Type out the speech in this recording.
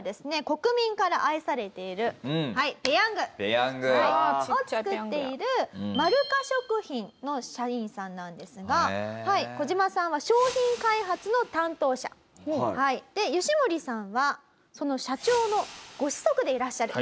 国民から愛されているペヤングを作っているまるか食品の社員さんなんですがコジマさんは商品開発の担当者ヨシモリさんはその社長のご子息でいらっしゃる。